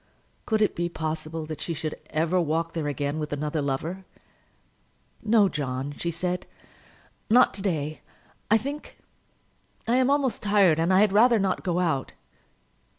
Could it be possible that she should ever walk there again with another lover? "No, John," she said; "not to day, I think. I am almost tired, and I had rather not go out."